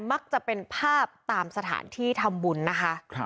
มักจะเป็นภาพตามสถานที่ทำบุญนะคะ